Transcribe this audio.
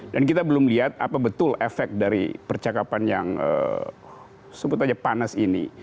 dan kita belum lihat apa betul efek dari percakapan yang sebut aja panas ini